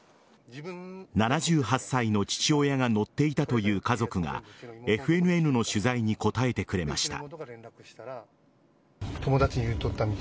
７８歳の父親が乗っていたという家族がＦＮＮの取材に答えてくれました。